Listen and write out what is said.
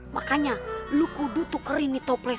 makanya lo kudu tukerin nih toples